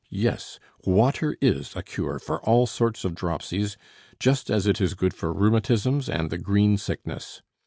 Yes, water is a cure for all sorts of dropsies, just as it is good for rheumatisms and the green sickness.